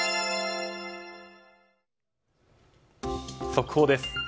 速報です。